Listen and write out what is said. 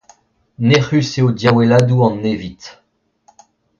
Nec'hus eo diaweladoù an nevid.